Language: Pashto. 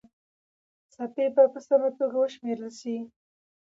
څپې به په سمه توګه وشمېرل سي.